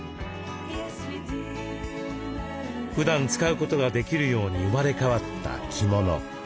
ふだん使うことができるように生まれ変わった着物。